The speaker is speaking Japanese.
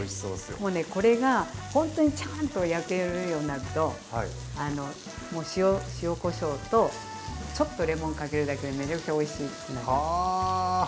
もうねこれがほんとにちゃんと焼けるようになると塩・こしょうとちょっとレモンかけるだけでめちゃくちゃおいしくなります。